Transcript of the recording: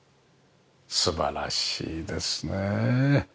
素晴らしいですねえ。